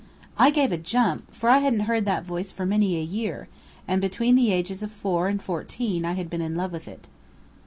I gave a jump, for I hadn't heard that voice for many a year, and between the ages of four and fourteen I had been in love with it.